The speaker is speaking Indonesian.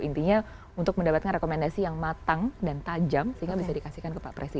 intinya untuk mendapatkan rekomendasi yang matang dan tajam sehingga bisa dikasihkan ke pak presiden